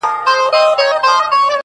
تا به د پی مخو صدقې ته زړه راوړی وي٫